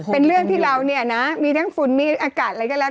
เป็นเรื่องที่เราเนี่ยนะมีทั้งฝุ่นมีอากาศอะไรก็แล้ว